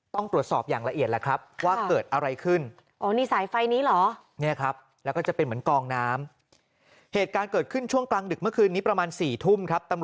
ต้องตรวจสอบอย่างละเอียดแล้วครับ